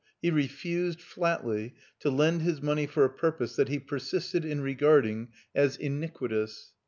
He refused, flatly, to lend his money for a purpose that he per sisted in regarding as iniquitous.